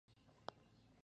ټیم څنګه هدف ته رسیږي؟